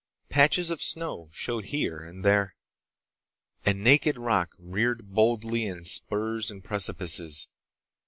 Patches of snow showed here and there, and naked rock reared boldly in spurs and precipices.